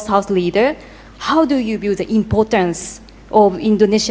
bagaimana anda melihat pentingnya inovasi indonesia